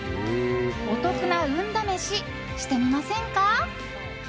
お得な運試ししてみませんか？